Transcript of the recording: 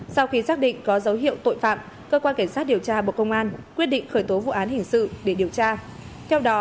sau khi xác định có dấu hiệu tội phạm cơ quan cảnh sát điều tra bộ công an quyết định khởi tố vụ án hình sự để điều tra